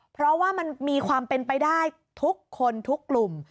เพราะว่ามันมีความเป็นไปได้ทุกคนทุกกลุ่ม